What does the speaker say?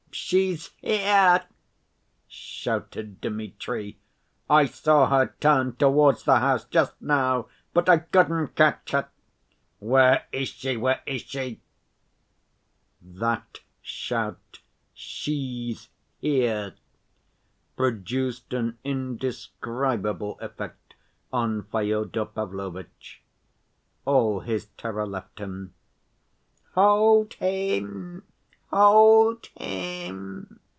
"She's here!" shouted Dmitri. "I saw her turn towards the house just now, but I couldn't catch her. Where is she? Where is she?" That shout, "She's here!" produced an indescribable effect on Fyodor Pavlovitch. All his terror left him. "Hold him! Hold him!"